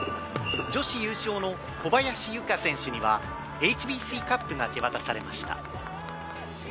女子優勝の小林諭果選手にはＨＢＣカップが手渡されました。